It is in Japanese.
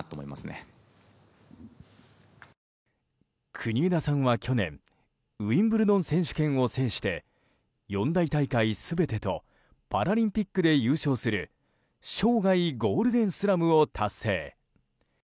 国枝さんは去年ウィンブルドン選手権を制して四大大会全てとパラリンピックで優勝する生涯ゴールデンスラムを達成。